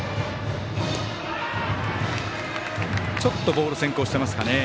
ちょっとボール先行していますかね。